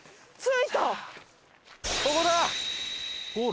ここだ！